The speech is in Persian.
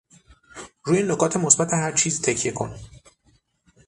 روی نکات مثبت هرچیز تکیه کن.